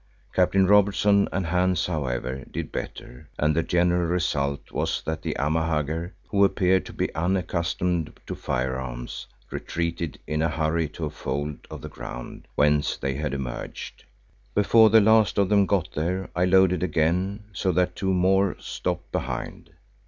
Captain Robertson and Hans, however, did better and the general result was that the Amahagger, who appeared to be unaccustomed to firearms, retreated in a hurry to a fold of the ground whence they had emerged. Before the last of them got there I loaded again, so that two more stopped behind.